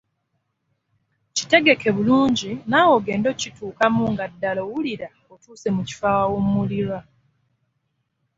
Kitegeke bulungi naawe ogende okituukamu nga ddala owulira otuuse mu kifo awawummulirwa.